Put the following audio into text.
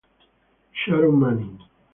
Sharon Manning